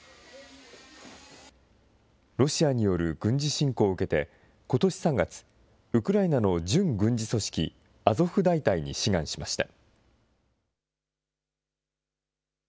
ロシアによる軍事侵攻を受けてことし３月、ウクライナの準軍事組織、アゾフ大隊に志願しました。